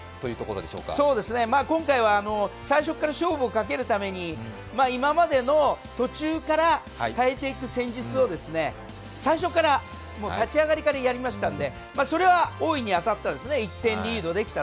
今回は最初から勝負をかけるために今までの途中から代えていく戦術を、最初から、もう立ち上がりからやりましたので、それは大いに当たったんですね。